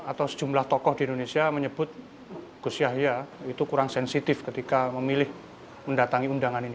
atau sejumlah tokoh di indonesia menyebut gus yahya itu kurang sensitif ketika memilih mendatangi undangan ini